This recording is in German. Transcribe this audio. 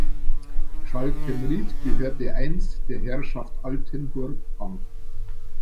Schalkenried gehörte einst der Herrschaft Altenburg an.